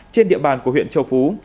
trên địa bàn của huyện châu phú